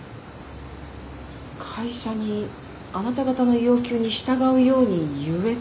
会社にあなた方の要求に従うように言えと？